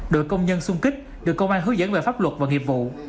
đội công nhân xung kích được công an hướng dẫn về pháp luật và nghiệp vụ